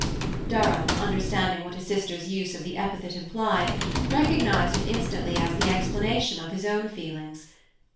Durham, understanding what his sister's use of the epithet implied, recognized it instantly as the explanation of his own feelings.